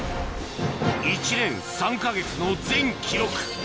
１年３か月の全記録